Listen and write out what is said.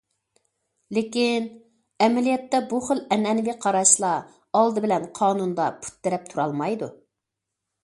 لېكىن، ئەمەلىيەتتە، بۇ خىل ئەنئەنىۋى قاراشلار ئالدى بىلەن قانۇندا پۇت تىرەپ تۇرالمايدۇ.